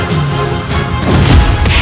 tidak ada apa apa